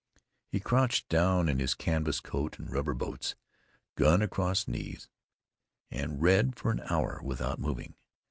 He crouched down in his canvas coat and rubber boots, gun across knees, and read for an hour without moving.